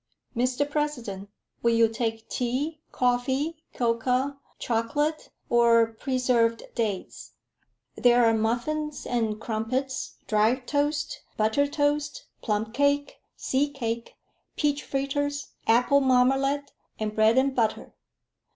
"Mr President, will you take tea, coffee, cocoa, chocolate, or preserved dates? There are muffins and crumpets, dry toast, buttered toast, plum cake, seed cake, peach fritters, apple marmalade, and bread and butter.